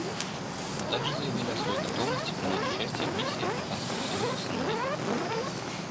Мы также заявили о своей готовности принять участие в Миссии Африканского союза в Сомали.